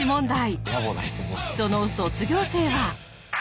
その卒業生は。